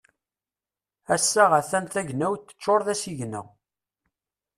Ass-a a-t-an tagnawt teččur d asigna.